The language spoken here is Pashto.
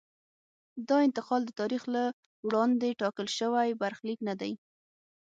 دا انتقال د تاریخ له وړاندې ټاکل شوی برخلیک نه دی.